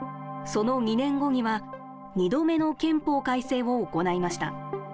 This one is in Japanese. その２年後には、２度目の憲法改正を行いました。